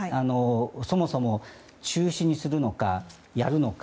そもそも中止にするのか、やるのか。